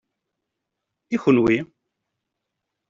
I kunwi?